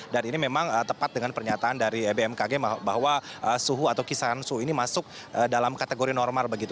dan ini memang tepat dengan pernyataan dari bmkg bahwa suhu atau kisaran suhu ini masuk dalam kategori normal begitu